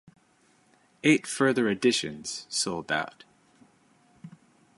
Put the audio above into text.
Eight further editions sold out.